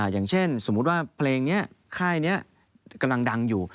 อย่างเช่นสมมุติว่าเพลงนี้ค่ายนี้กำลังดังอยู่